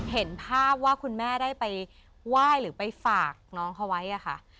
เห็นภาพว่าคุณแม่ได้ไปไหว้หรือไปฝากน้องเขาไว้อะค่ะ